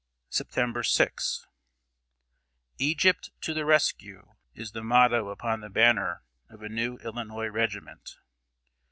September 6. "Egypt to the rescue!" is the motto upon the banner of a new Illinois regiment.